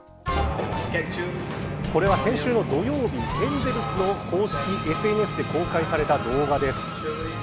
これは、先週の土曜日エンゼルスの公式ＳＮＳで公開された動画です。